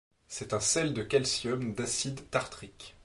C'est un sel de calcium d'acide tartrique.